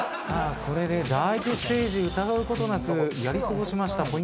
さあこれで第１ステージ疑うことなくやり過ごしました。